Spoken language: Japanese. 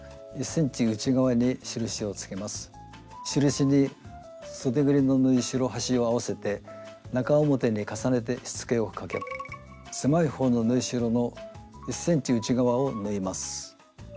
印にそでぐりの縫いしろ端を合わせて中表に重ねてしつけをかけ狭い方の縫いしろの１ｃｍ内側を縫います。